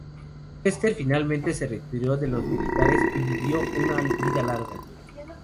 Chester finalmente se retiró de los militares y vivió una vida larga.